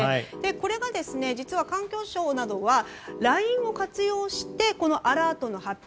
これが実は環境省などがＬＩＮＥを活用してアラートを発表